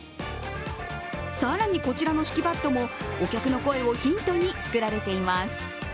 更に、こちらの敷きパッドもお客の声をヒントに作られています。